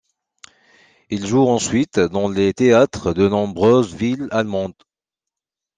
Il joue ensuite dans les théâtres de nombreuses villes allemandes.